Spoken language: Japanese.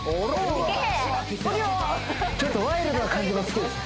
ちょっとワイルドな感じも好きです